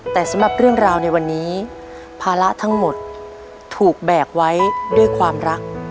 แต่สำหรับเรื่องราวในวันนี้ภาระทั้งหมดถูกแบกไว้ด้วยความรัก